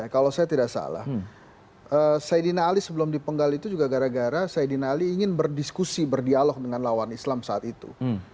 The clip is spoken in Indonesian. kalau saya tidak salah saidina ali sebelum dipenggal itu juga gara gara saidina ali ingin berdiskusi berdialog dengan lawan islam saat itu